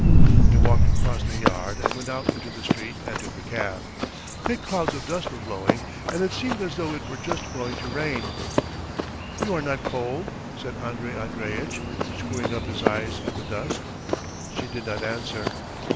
They walked across the yard and went out into the street and took a cab. Thick clouds of dust were blowing, and it seemed as though it were just going to rain. "You are not cold?" said Andrey Andreitch, screwing up his eyes at the dust. She did not answer.